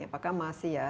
apakah masih ya